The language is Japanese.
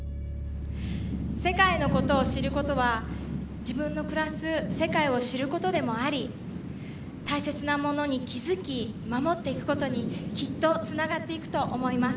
世界のことを知ることは自分の暮らす世界を知ることでもあり大切なものに気付き守っていくことにきっとつながっていくと思います。